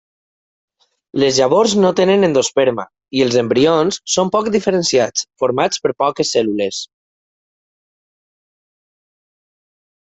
Les llavors no tenen endosperma i els embrions són poc diferenciats formats per poques cèl·lules.